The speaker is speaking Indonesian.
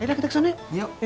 eh kita kesana yuk